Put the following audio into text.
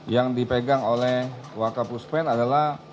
yang dipegang oleh wakapuspen adalah